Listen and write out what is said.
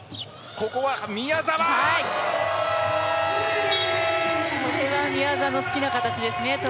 これは宮澤の好きな形ですね。